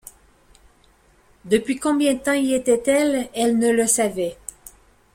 Depuis combien de temps y était-elle, elle ne le savait.